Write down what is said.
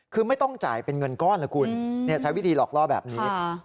คือไม่ต้องจ่ายเป็นเงินก้อนละคุณใช้วิธีหลอกล่อแบบนี้